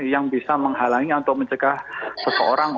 yang bisa menghalangi atau mencegah seseorang